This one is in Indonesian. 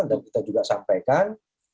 dan kita juga sampaikan